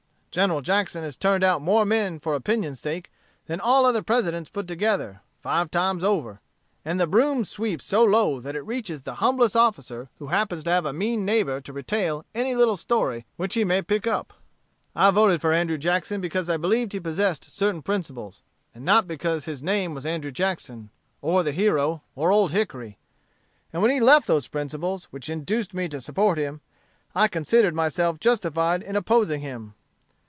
General Jackson has turned out more men for opinion's sake, than all other Presidents put together, five times over: and the broom sweeps so low that it reaches the humblest officer who happens to have a mean neighbor to retail any little story which he may pick up. "I voted for Andrew Jackson because I believed he possessed certain principles, and not because his name was Andrew Jackson, or the Hero, or Old Hickory. And when he left those principles which induced me to support him, I considered myself justified in opposing him.